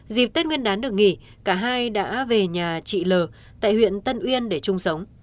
dịp tết nguyên đán được nghỉ cả hai đã về nhà chị l tại huyện tân uyên để chung sống